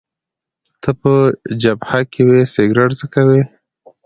ته په جبهه کي وې، سګرېټ څکوې؟